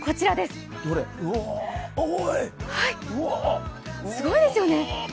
すごいですよね。